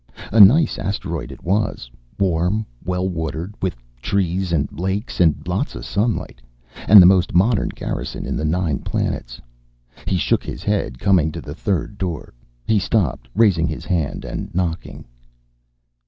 A nice asteroid it was, warm, well watered, with trees and lakes and lots of sunlight. And the most modern Garrison in the nine planets. He shook his head, coming to the third door. He stopped, raising his hand and knocking.